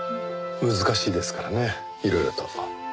難しいですからねいろいろと。